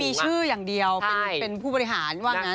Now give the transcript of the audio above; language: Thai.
มีชื่ออย่างเดียวเป็นผู้บริหารว่างั้น